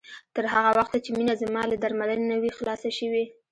تر هغه وخته چې مينه زما له درملنې نه وي خلاصه شوې